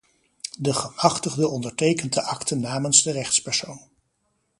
De gemachtigde ondertekent de akte namens de rechtspersoon.